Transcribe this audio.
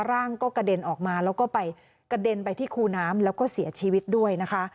ร่างก็กระเด็นออกมาแล้วก็ไปกระเด็นไปที่คูน้ำแล้วก็เสียชีวิตด้วยนะคะ